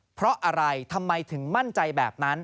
เพราะอะไรทำไมถึงมั่นใจแบบนั้น